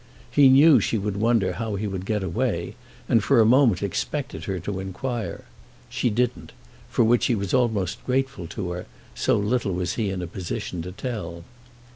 He knew she would wonder how he would get away, and for a moment expected her to enquire. She didn't, for which he was almost grateful to her, so little was he in a position to tell.